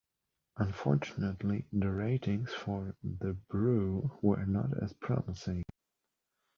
Unfortunately, the ratings for "The Brew" were not as promising.